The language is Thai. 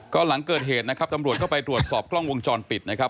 ก็หลังเกิดเหตุนะครับตำรวจก็ไปตรวจสอบกล้องวงจรปิดนะครับ